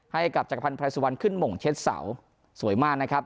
ให้กับจักรพันธ์ไพรสุวรรณขึ้นหม่งเช็ดเสาสวยมากนะครับ